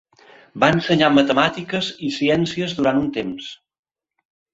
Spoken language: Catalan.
Va ensenyar matemàtiques i ciències durant un temps.